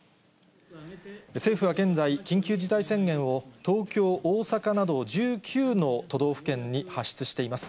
政府は現在、緊急事態宣言を東京、大阪など１９の都道府県に発出しています。